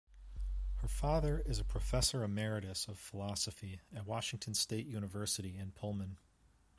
Her father is a professor emeritus of philosophy at Washington State University in Pullman.